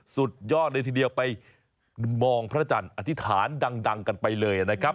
สุดยอดเลยทีเดียวไปมองพระจันทร์อธิษฐานดังกันไปเลยนะครับ